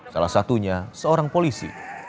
salah satunya seorang polisi